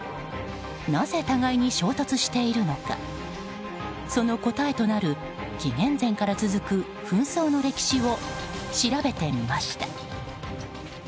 なぜ互いに衝突しているのかその答えとなる紀元前から続く紛争の歴史を調べてみました。